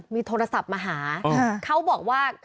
มีโทรศัพท์มาหาเขาบอกว่า